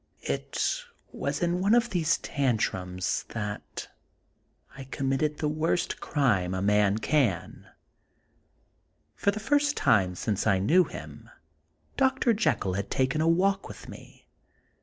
It was in one of these tan trums that I committed the worst crime a man can. For the first time since I knew him. Dr. Jekyll had taken a walk with me.